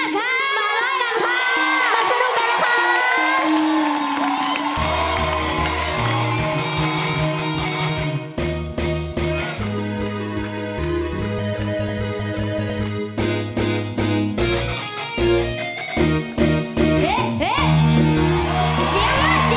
มาพวนกันด้วยค่ะมาร้อยกันค่ะมาสนุกกันค่ะ